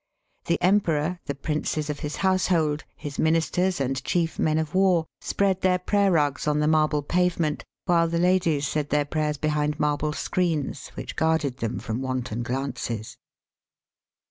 The Emperor, the princes of his household, his Ministers and chief men of war, spread their prayer rugs on the marble pavement, while the ladies said their prayers behind marble screens which guarded them from wanton glances.